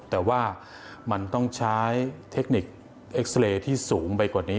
แต่ว่ามันต้องใช้เทคนิคเอ็กซาเรย์ที่สูงไปกว่านี้